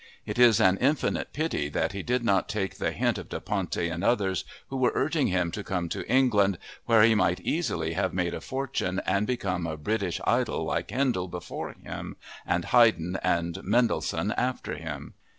It is an infinite pity that he did not take the hint of Da Ponte and others who were urging him to come to England, where he might easily have made a fortune and become a British idol like Handel before him and Haydn and Mendelssohn after him.